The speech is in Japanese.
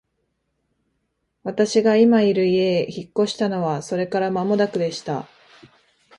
私が今居る家へ引っ越したのはそれから間もなくでした。